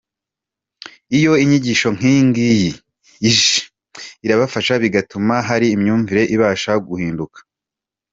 Iyo inyigisho nk’iyi ngiyi ije irabafasha bigatuma hari imyumvire ibasha guhinduka.